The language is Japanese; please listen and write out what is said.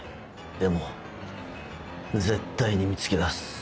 でも絶対に見つけ出す。